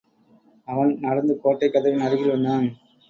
அவன் நடந்து கோட்டைக் கதவின் அருகில் வந்தான்.